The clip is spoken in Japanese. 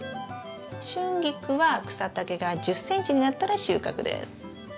シュンギクは草丈が１０ｃｍになったら収穫です。